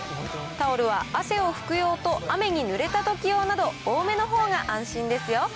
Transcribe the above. タオルは汗を拭く用と、雨にぬれたとき用など、多めのほうが安心ですよ。